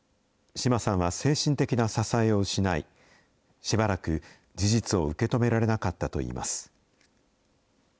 島さんは精神的な支えを失い、しばらく事実を受け止められなかったといいます。